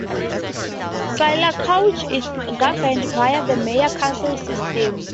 Sylacauga is governed via the mayor-council system.